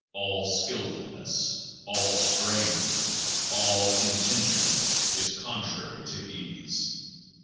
All skillfulness, all strain, all intention is con trary to ease.